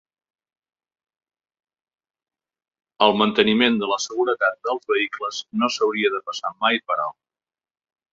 El manteniment de la seguretat dels vehicles no s'hauria de passar mai per alt.